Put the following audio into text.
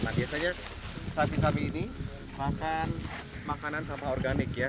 nah biasanya sapi sapi ini makan makanan sampah organik ya